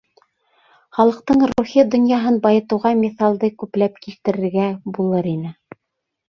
Халыҡтың рухи донъяһын байытыуға миҫалды күпләп килтерергә булыр ине.